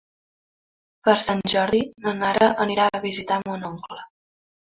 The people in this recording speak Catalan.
Per Sant Jordi na Nara anirà a visitar mon oncle.